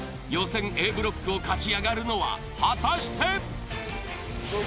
予選Ａブロックを勝ち上がるのは果たして！？